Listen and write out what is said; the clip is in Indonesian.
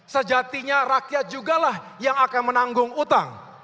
sejatinya rakyat juga lah yang akan menanggung utang